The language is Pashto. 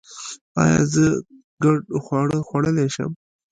ایا زه ګډ خواړه خوړلی شم؟